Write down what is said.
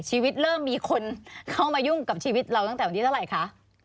ชีวิตเริ่มมีคนเข้ามายุ่งกับชีวิตเราตั้งแต่วันที่เท่าไหร่คะ